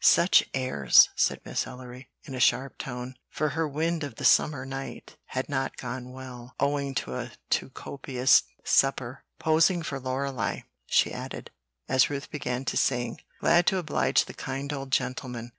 "Such airs!" said Miss Ellery, in a sharp tone; for her "Wind of the Summer Night" had not gone well, owing to a too copious supper. "Posing for Lorelei," she added, as Ruth began to sing, glad to oblige the kind old gentleman.